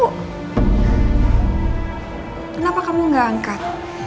kenapa kamu gak angkat